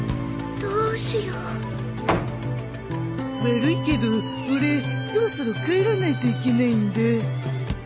悪いけど俺そろそろ帰らないといけないんだ。